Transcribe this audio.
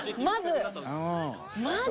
まず！